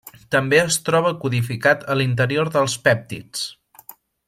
També es troba codificat a l'interior dels pèptids.